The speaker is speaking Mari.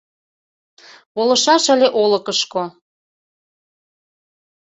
Волышаш ыле олыкышко